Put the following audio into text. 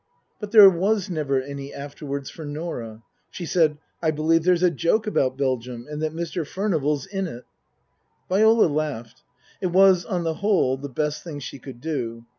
But there was never any afterwards for Norah. She said, " I believe there's a joke about Belgium, and that Mr. Furnival's in it." Viola laughed. It was, on the whole, the best thing she could do.